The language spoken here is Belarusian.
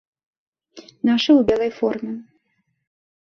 Нашы ў белай форме.